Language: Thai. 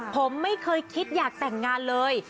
ผมไม่เคยคิดอยากแต่งงานเลย